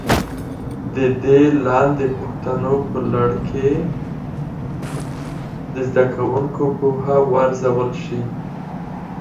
د دې لاندې پوښتنو په لړ کې د زده کوونکو پوهه وارزول شي.